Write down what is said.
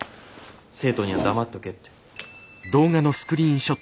生徒には黙っとけって。